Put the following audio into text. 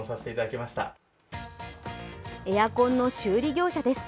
エアコンの修理業者です。